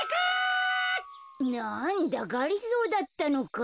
なんだがりぞーだったのか。